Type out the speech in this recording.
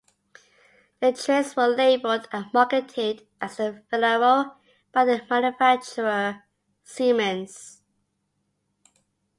The trains were labelled and marketed as the Velaro by their manufacturer, Siemens.